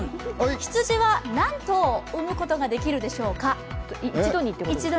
羊は何頭産むことができるでしょうか？」